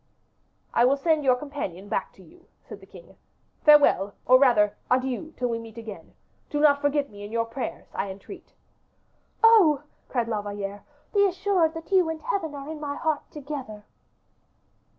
"I will send your companion back to you," said the king. "Farewell! or, rather, adieu till we meet again; do not forget me in your prayers, I entreat." "Oh!" cried La Valliere, "be assured that you and Heaven are in my heart together."